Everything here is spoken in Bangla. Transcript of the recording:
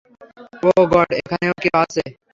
ওহ গড এখানেও কেউ আছে?